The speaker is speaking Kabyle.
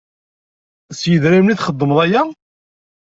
S yedrimen i txeddmeḍ aya?